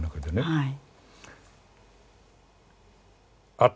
はい。